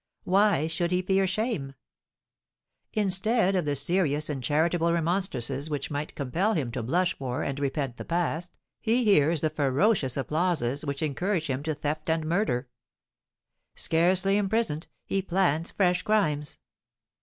Why should he fear shame? Instead of the serious and charitable remonstrances which might compel him to blush for and repent the past, he hears the ferocious applauses which encourage him to theft and murder. Scarcely imprisoned, he plans fresh crimes.